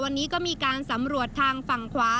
วันนี้ก็มีการสำรวจทางฝั่งขวา